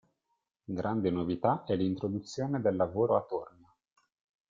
Grande novità è l'introduzione del lavoro a tornio.